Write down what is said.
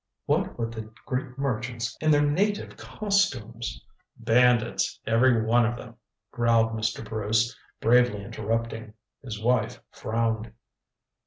What with the Greek merchants in their native costumes " "Bandits, every one of them," growled Mr. Bruce, bravely interrupting. His wife frowned.